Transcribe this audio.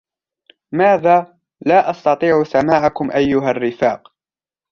ماذا ؟ لا أستطيع سماعكم أيها الرفاق.